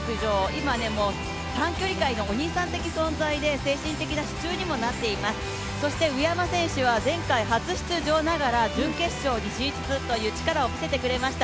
今、短距離界のお兄さん的な存在で精神的な支柱にもなっています、上山選手は前回初出場ながら準決勝に進出という力をみせてくれました。